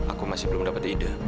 aku masih belum dapat ide